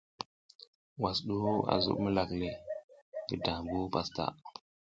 Ngwas du a zuɓ milak le, ngi dambu pastaʼa.